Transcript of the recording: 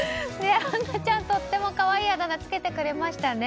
杏奈ちゃん、とっても可愛いあだ名つけてくれましたね。